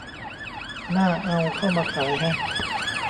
น่าเอา เข้ามาขายแฮะ